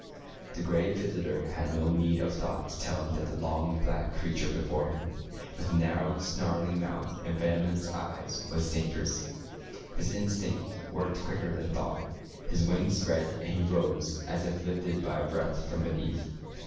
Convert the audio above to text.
The Gray Visitor had no need of thought to tell him that the long black creature before him, with the narrow snarling mouth and venomous eyes was dangerous. His instinct worked quicker than thought. His wings spread, and he rose as if lifted by a breath from beneath.